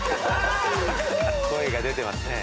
声が出てますね。